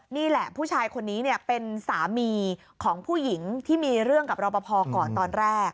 นี่แหละผู้ชายคนนี้เป็นสามีของผู้หญิงที่มีเรื่องกับรอปภก่อนตอนแรก